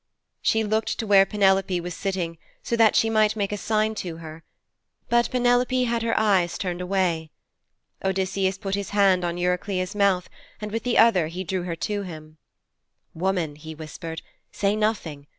She looked to where Penelope was sitting, so that she might make a sign to her. But Penelope had her eyes turned away. Odysseus put his hand on Eurycleia's mouth, and with the other hand he drew her to him. 'Woman,' he whispered. 'Say nothing.